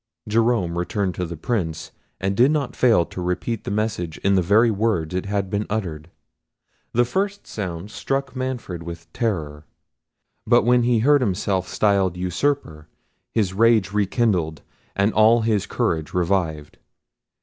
Jerome returned to the Prince, and did not fail to repeat the message in the very words it had been uttered. The first sounds struck Manfred with terror; but when he heard himself styled usurper, his rage rekindled, and all his courage revived.